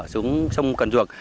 xuống sông cần duột